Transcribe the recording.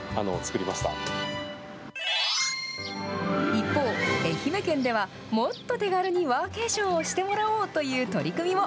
一方、愛媛県では、もっと手軽にワーケーションをしてもらおうという取り組みも。